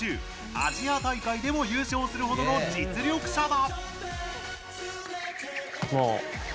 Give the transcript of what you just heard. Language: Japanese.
アジア大会でも優勝するほどの実力者だ。